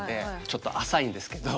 ちょっと浅いんですけど。